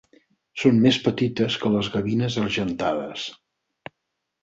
Són més petites que les gavines argentades.